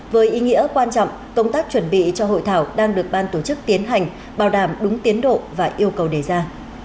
với ý nghĩa quan trọng công tác chuẩn bị cho hội thảo đang được ban tổ chức tiến hành bảo đảm đúng tiến độ và yêu cầu đề ra